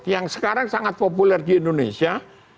yang sekarang sangat populer di indonesia